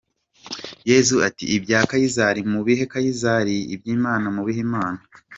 Yesu ati “ibya Kayizali mubihe Kayizali, iby’Imana mubihe Imana”!